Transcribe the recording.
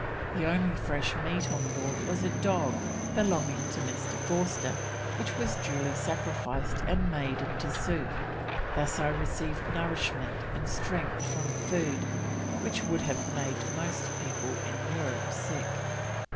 The only fresh meat on board was a dog belonging to Mr. Forster, which was duly sacrificed and made into soup: "Thus I received nourishment and strength from food which would have made most people in Europe sick."